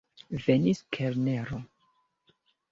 Venis kelnero.